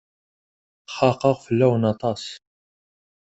Xaqeɣ fell-awen aṭas.